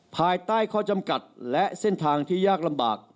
ภายใต้ข้อจำกัดและเส้นทางที่ยากลำบาก